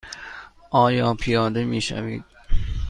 آیا پیاده می شوید؟